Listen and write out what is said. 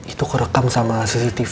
itu kerekam sama cctv